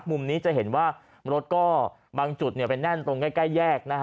มุมนี้จะเห็นว่ารถจะบางจุดแน่นแต่ใกล้แยก